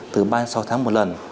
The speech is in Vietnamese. từ ba mươi sáu tháng một lần